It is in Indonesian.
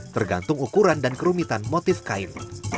tergantung ukuran dan kerumitan motif kain